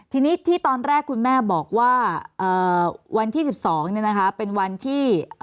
ที่ตอนแรกคุณแม่บอกว่าวันที่๑๒เนี่ยนะคะเป็นวันที่